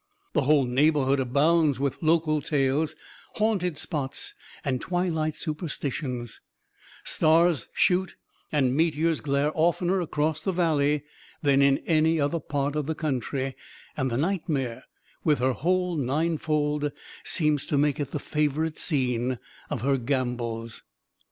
The whole neighborhood abounds with local tales, haunted spots, and twilight superstitions; stars shoot and meteors glare oftener across the valley than in any other part of the country, and the nightmare, with her whole nine fold, seems to make it the favorite scene of her gambols.